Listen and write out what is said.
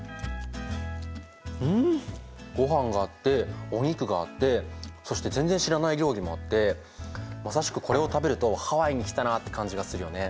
んごはんがあってお肉があってそして全然知らない料理もあってまさしくこれを食べると「ハワイに来たな」って感じがするよね。